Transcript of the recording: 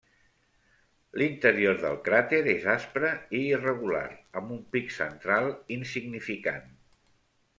L'interior del cràter és aspre i irregular, amb un pic central insignificant.